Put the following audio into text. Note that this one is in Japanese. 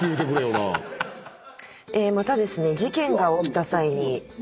またですね。